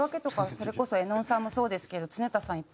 それこそ絵音さんもそうですけど常田さん